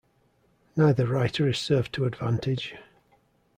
Neither writer is served to advantage.